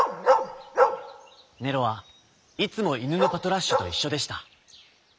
ネロはいつもいぬのパトラッシュといっしょでした。